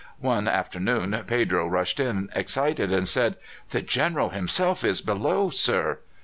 One afternoon Pedro rushed in, excited, and said: "The General himself is below, sir!"